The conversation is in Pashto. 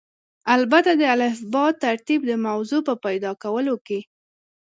البته د الفبا ترتیب د موضوع په پیدا کولو کې.